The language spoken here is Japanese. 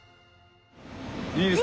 いいですね。